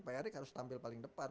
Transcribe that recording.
pak erick harus tampil paling depan